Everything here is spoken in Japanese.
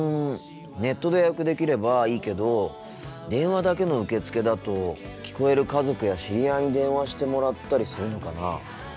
ネットで予約できればいいけど電話だけの受け付けだと聞こえる家族や知り合いに電話してもらったりするのかな？